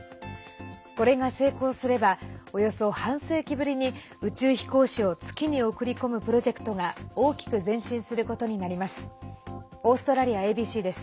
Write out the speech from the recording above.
これが成功すればおよそ半世紀ぶりに宇宙飛行士を月に送り込むプロジェクトが大きく前進することになります。